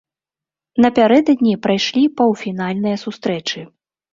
Напярэдадні прайшлі паўфінальныя сустрэчы.